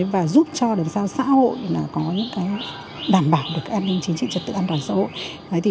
và giúp cho đồng sao xã hội có những cái đảm bảo được an ninh chính trị trật tự an toàn xã hội